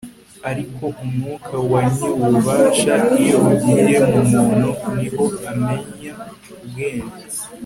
ariko umwuka wa nyir'ububasha, iyo ugiye mu muntu, ni ho amenya ubwenge